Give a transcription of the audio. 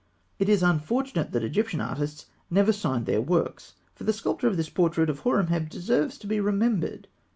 ] It is unfortunate that Egyptian artists never signed their works; for the sculptor of this portrait of Horemheb deserves to be remembered.